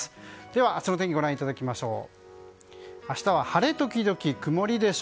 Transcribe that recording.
では、明日の天気ご覧いただきましょう。